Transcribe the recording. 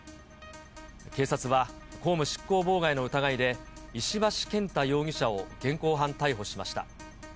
警察は公務執行妨害の疑いで、石橋健太容疑者を現行犯逮捕しました。